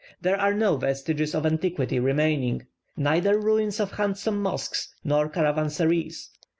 There are no vestiges of antiquity remaining; neither ruins of handsome mosques nor caravansaries.